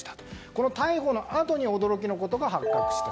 この逮捕のあとに驚きのことが発覚した。